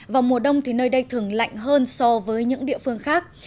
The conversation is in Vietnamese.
vào mùa đông thì nơi đây thường lạnh hơn so với những địa phương khác